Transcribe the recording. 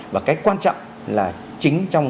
và cái quan trọng là chính trong